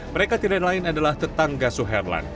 mereka tidak lain adalah tetangga suherlan